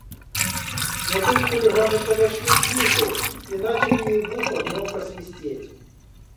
Но тут хулиганы подошли ближе и начали ей в ухо громко свистеть.